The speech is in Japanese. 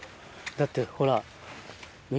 だってほら。